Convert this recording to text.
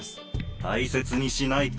大切にしないと。